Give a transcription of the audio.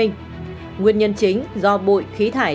nguyên nhân chính do bụi khí thải